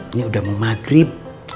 ini udah maghrib